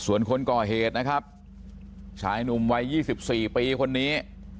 ส่วนคนก่อเหตุนะครับชายหนุ่มวัย๒๔ปีคนนี้